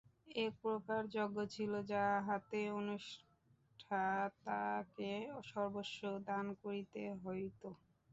একপ্রকার যজ্ঞ ছিল, যাহাতে অনুষ্ঠাতাকে সর্বস্ব দান করিতে হইত।